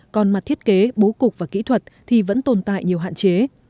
còn mặt thiết kế bố cục và kỹ thuật thì vẫn tồn tại nhiều hạn chế